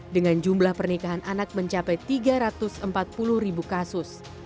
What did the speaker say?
dengan jumlah pernikahan anak mencapai tiga ratus empat puluh ribu kasus